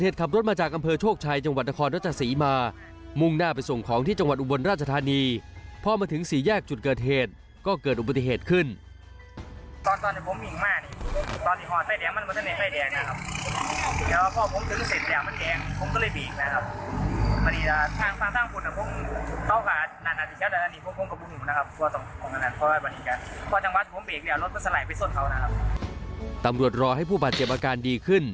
ตำรวจรอให้ผู้บาดเจ็บอาการดีขึ้น